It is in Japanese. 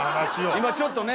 今ちょっとね